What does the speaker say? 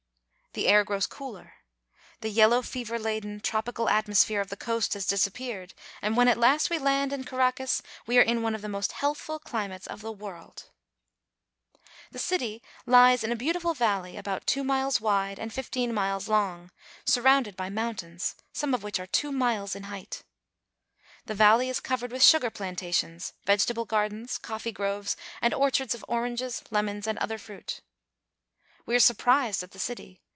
The air grows cooler. The yellow fever laden, tropi cal atmosphere of the coast has disappeared, and when at last we land in Caracas we are in one of the most health ful chmates of the world. "We see pretty Spanish women looking out." The city lies in a beautiful valley, about two miles wide and fifteen miles long, surrounded by mountains, some of which are two miles in height. The valley is covered with sugar plantations, vegetable gardens, coffee groves, and orchards of oranges, lemons, and other fruit. We are surprised at the city.